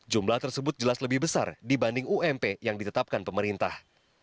jumlah tersebut jelas lebih besar dibanding ump yang ditetapkan pemerintah